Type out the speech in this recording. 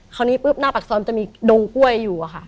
คราวนี้ปุ๊บหน้าปากซอยมันจะมีดงกล้วยอยู่อะค่ะ